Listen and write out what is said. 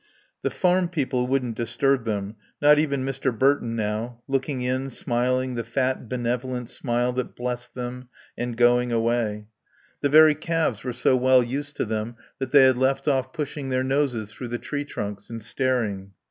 The farm people wouldn't disturb them; not even Mr. Burton, now, looking in, smiling the fat, benevolent smile that blessed them, and going away; the very calves were so well used to them that they had left off pushing their noses through the tree trunks and staring.